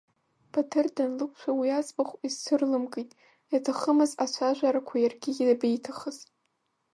Баҭыр данлықәшәа уи аӡбахә изцәырлымгеит, иаҭахымыз ацәажәарақәа иаргьы иабеиҭахыз.